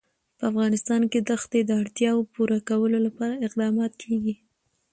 په افغانستان کې د ښتې د اړتیاوو پوره کولو لپاره اقدامات کېږي.